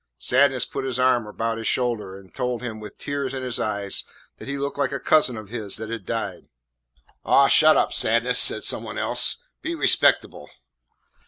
Sadness put his arm about his shoulder and told him, with tears in his eyes, that he looked like a cousin of his that had died. "Aw, shut up, Sadness!" said some one else. "Be respectable."